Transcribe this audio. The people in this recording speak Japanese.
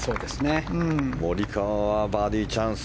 モリカワはバーディーチャンス。